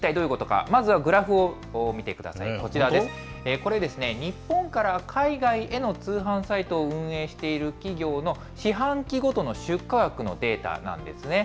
これ、日本から海外への通販サイトを運営している企業の四半期ごとの出荷額のデータなんですね。